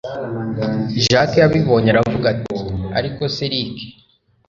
jack abibonye aravuga ati ariko se erick